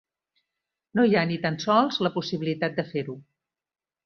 No hi ha ni tan sols la possibilitat de fer-ho.